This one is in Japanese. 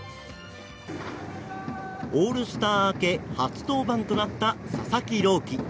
オールスター明け初登板となった佐々木朗希。